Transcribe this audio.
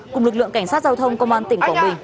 cùng lực lượng cảnh sát giao thông công an tỉnh quảng bình